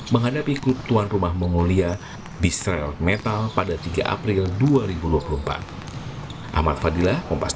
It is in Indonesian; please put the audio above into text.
menghadapi klub tuan rumah mongolia bistrel metal pada tiga april